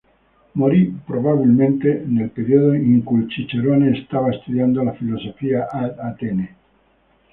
Morì probabilmente nel periodo in cui Cicerone stava studiando la filosofia ad Atene.